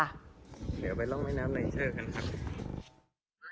เดี๋ยวไปลองไว้น้ำไลเชอร์กันครับ